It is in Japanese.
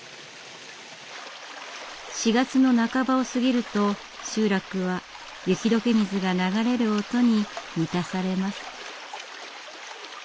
４月の半ばを過ぎると集落は雪解け水が流れる音に満たされます。